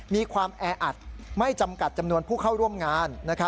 มีความแออัดไม่จำกัดจำนวนผู้เข้าร่วมงาน